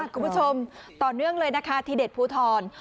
คุณผู้ชมต่อเนื่องเลยนะคะที่เด็ดภูทร